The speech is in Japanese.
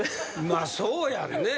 まあそうやんね。